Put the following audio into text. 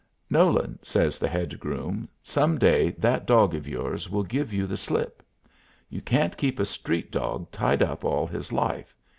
"Nolan," says the head groom, "some day that dog of yours will give you the slip. You can't keep a street dog tied up all his life.